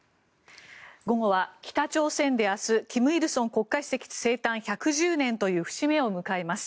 午後は北朝鮮で明日金日成国家主席生誕１１０年という節目を迎えます。